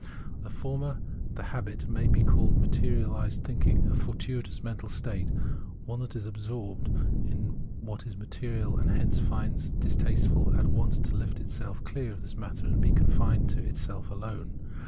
The former, the habit, may be called materialised thinking, a fortuitous mental state, one that is absorbed in what is material, and hence finds it very distasteful at once to hft its self clear of this matter and be confined to itself alone.